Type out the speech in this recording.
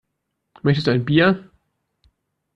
Möchtest du ein Bier?